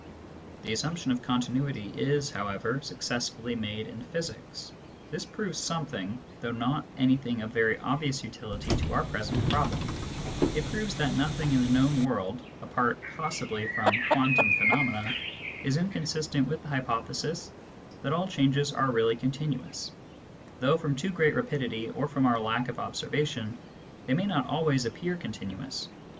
The assumption of continuity is, however, successfully made in physics. This proves something, though not anything of very obvious utility to our present problem : it proves that nothing in the known world is inconsistent with the hypothesis that all changes are really continuous, though from too great rapidity or from our lack of observation they may not always appear continuous.